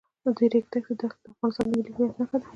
د ریګ دښتې د افغانستان د ملي هویت نښه ده.